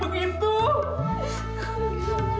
lo jangan sedih begitu